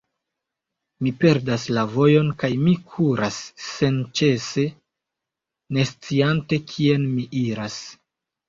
Mi perdas la vojon, kaj mi kuras senĉese, ne sciante, kien mi iras.